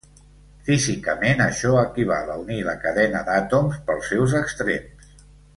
Físicament, això equival a unir la cadena d'àtoms pels seus extrems.